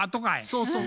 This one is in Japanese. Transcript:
そうそう。